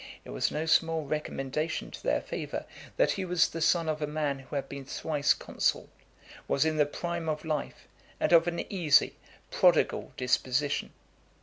It was no small recommendation to their favour, that he was the son of a man who had been thrice consul, was in the prime of life, and of an easy, prodigal disposition.